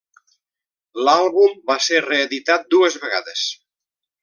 L'àlbum va ser reeditat dues vegades.